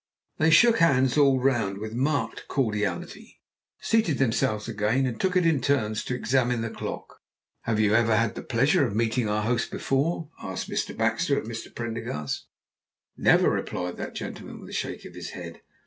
They shook hands all round with marked cordiality, seated themselves again, and took it in turns to examine the clock. "Have you ever had the pleasure of meeting our host before?" asked Mr. Baxter of Mr. Prendergast. "Never," replied that gentleman, with a shake of his head.